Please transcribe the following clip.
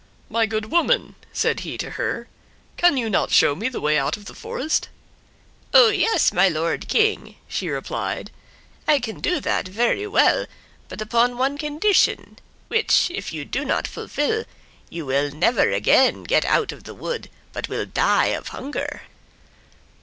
"My good woman," said he to her, "can you not show me the way out of the forest?" "Oh, yes, my lord King," she replied, "I can do that very well, but upon one condition, which if you do not fulfill you will never again get out of the wood, but will die of hunger."